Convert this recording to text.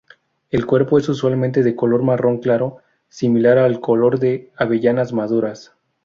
El cuerpo es usualmente de color marrón claro, similar al color de avellanas maduras.